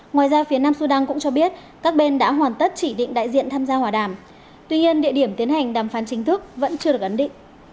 ngoài ra phía nam sudan cũng cho biết các bên đã hoàn tất chỉ định đại diện tham gia hòa đàm tuy nhiên địa điểm tiến hành đàm phán chính thức vẫn chưa được ấn định